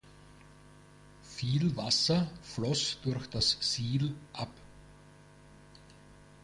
Viel Wasser floss durch das Siel ab.